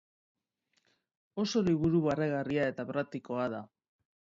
Oso liburu barregarria eta praktikoa da.